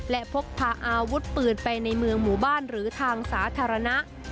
และพกพาอาวุธปืนไปในเมืองหมู่บ้านหรือทางสาธารณะ